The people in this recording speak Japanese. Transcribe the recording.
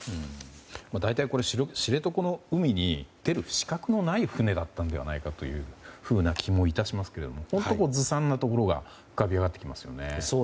大体、知床の海に出る資格もない船だったのではないかというふうな気もいたしますが本当にずさんなところが浮かび上がってきますね。